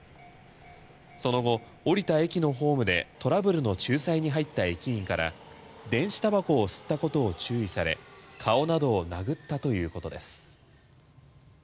その後、降りた駅のホームでトラブルの仲裁に入った駅員から電子タバコを吸ったことを注意され顔などを殴ったということです。